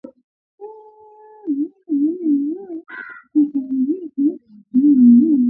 Kuchanganya wanyama katika maeneo ya kuchungia husababisha homa ya mapafu